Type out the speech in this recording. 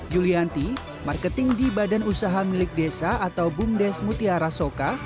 yulianti marketing di badan usaha milik desa atau bumdes mutiara soka